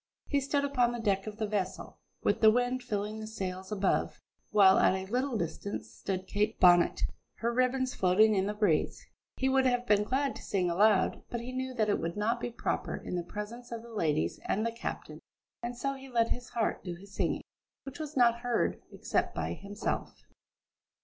He stood upon the deck of the vessel, with the wind filling the sails above, while at a little distance stood Kate Bonnet, her ribbons floating in the breeze. He would have been glad to sing aloud, but he knew that that would not be proper in the presence of the ladies and the captain. And so he let his heart do his singing, which was not heard, except by himself.